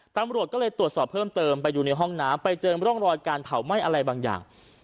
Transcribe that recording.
ตำรวจก็เลยตรวจสอบเพิ่มเติมไปดูในห้องน้ำไปเจอร่องรอยการเผาไหม้อะไรบางอย่าง